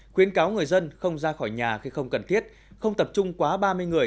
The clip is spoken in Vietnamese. khuyến cáo người dân không ra khỏi nhà khi không cần thiết không tập trung quá ba mươi người